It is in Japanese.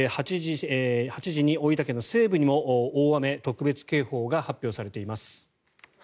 ８時に大分県の西部にも大雨特別警報が発表されています。